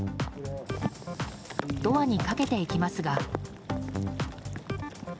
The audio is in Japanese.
ドアにかけていきますが。